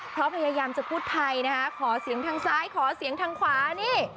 เพราะพยายามจะพูดไทยนะคะขอเสียงทางซ้ายขอเสียงทางขวานี่